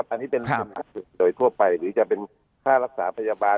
อันนี้เป็นทุนโดยทั่วไปหรือจะเป็นค่ารักษาพยาบาล